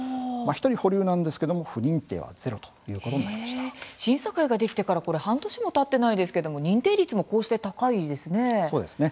１人保留なんですけども不認定はゼロ審査会ができてから半年もたってないですけども認定率もこうして高いですね。